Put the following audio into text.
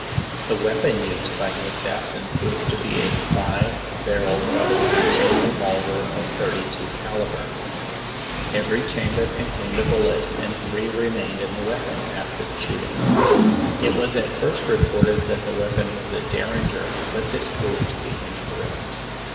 The weapon used by the assassin proved to be a five barreled double action revolver of 32 caliber. Every chamber contained a bullet, and three remained in the weapon after the shooting. It was at first reported that the weapon was a derringer, but this proved to be incorrect.